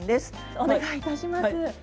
お願いいたします。